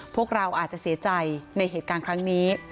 พวกเราอาจจะเสียใจในเหตุการณ์ครั้งนี้